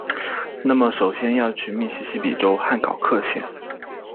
那么首先要去密西西比州汉考克县！